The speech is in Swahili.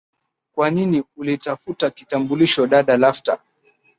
kwa nini ulitafuta kitambulisho dada laughter